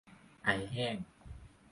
ไอแห้ง